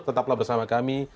tetaplah bersama kami